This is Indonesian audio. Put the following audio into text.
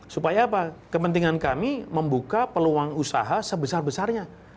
supaya apa kepentingan kami membuka peluang usaha sebesar besarnya